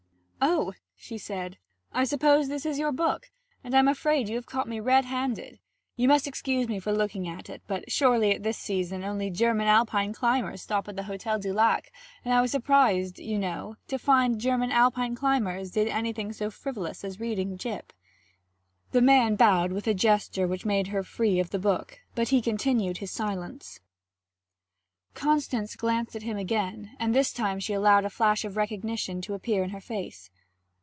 'Oh!' she said. 'I suppose this is your book? And I am afraid you have caught me red handed. You must excuse me for looking at it, but usually at this season only German Alpine climbers stop at the Hotel du Lac, and I was surprised, you know, to find that German Alpine climbers did anything so frivolous as reading Gyp.' The man bowed with a gesture which made her free of the book, but he continued his silence. Constance glanced at him again, and this time she allowed a flash of recognition to appear in her face.